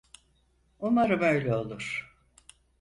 Umarım öyle olur.